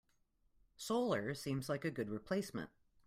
Solar seems like a good replacement.